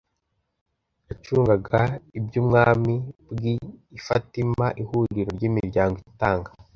yacungaga iby umwami bwi ifatima Ihuriro ry Imiryango itanga